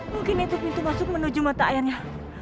mungkin itu pintu masuk menuju mata airnya